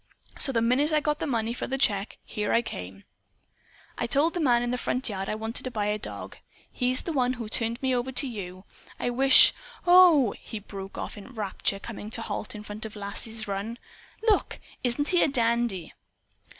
So the minute I got the money for the check, I came here. I told the man in the front yard I wanted to buy a dog. He's the one who turned me over to you. I wish OH!" he broke off in rapture, coming to a halt in front of Lass's run. "Look! Isn't he a dandy?"